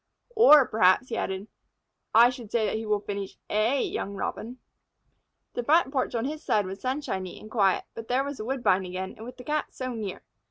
Or, perhaps," he added, "I should say that he will finish a young Robin." The front porch on his side was sunshiny and quiet, but there was the woodbine again, and with the Cat so near.